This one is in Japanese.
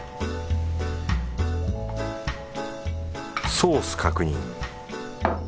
ソース確認。